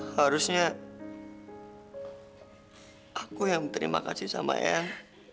harusnya aku yang berterima kasih sama ayah